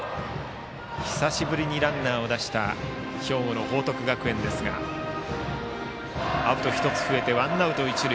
久しぶりにランナーを出した兵庫の報徳学園ですがアウト１つ増えてワンアウト一塁。